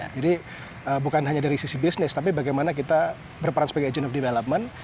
jadi bukan hanya dari sisi bisnis tapi bagaimana kita berperan sebagai agent of development